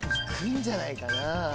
行くんじゃないかな。